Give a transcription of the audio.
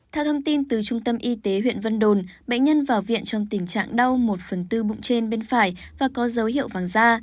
theo thông tin từ trung tâm y tế huyện vân đồn bệnh nhân vào viện trong tình trạng đau một phần tư bụng trên bên phải và có dấu hiệu vàng da